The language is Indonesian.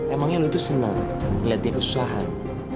emangnya lo itu seneng ngeliat dia kesusahan